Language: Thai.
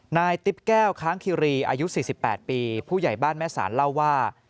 นายติ๊บแก้วค้างคิรีอายุ๔๘ปีผู้ใหญ่บ้านแม่สารเล่าว่า